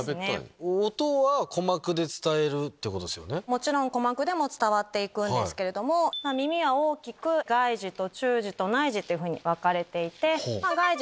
もちろん鼓膜でも伝わっていくんですけれども耳は大きく外耳と中耳と内耳に分かれていて。